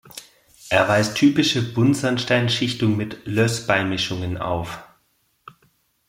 Er weist typische Buntsandstein-Schichtung mit Löß-Beimischungen auf.